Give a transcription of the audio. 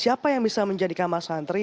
siapa yang bisa menjadi kamar santri